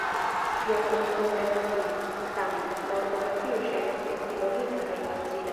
Kiam oni komprenas ĝin, tamen, la ortografio ŝajnas esti logika kaj facila.